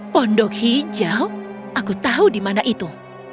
pondok hijau aku tahu di mana itu